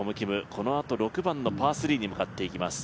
このあと６番のパー３に向かっていきます。